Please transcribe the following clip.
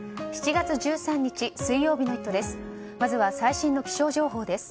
７月１３日水曜日の「イット！」です。